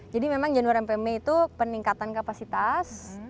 jadi memang januari sampai mei itu peningkatan kapasitas